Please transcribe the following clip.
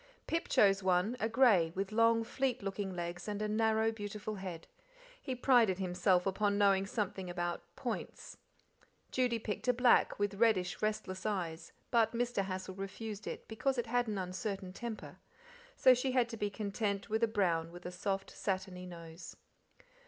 Pip chose one, a grey, with long, fleet looking legs and a narrow, beautiful head; he prided himself upon knowing something about "points." Judy picked a black, with reddish, restless eyes, but Mr. Hassal refused it because it had an uncertain temper, so she had to be content with a brown with a soft, satiny nose.